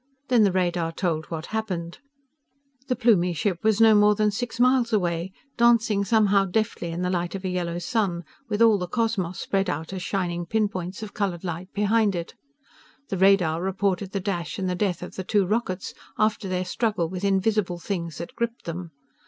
Then the radar told what happened. The Plumie ship was no more than six miles away, dancing somehow deftly in the light of a yellow sun, with all the cosmos spread out as shining pin points of colored light behind it. The radar reported the dash and the death of the two rockets, after their struggle with invisible things that gripped them.